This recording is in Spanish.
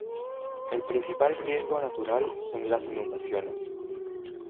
El principal riesgo natural son las inundaciones.